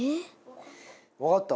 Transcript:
わかった。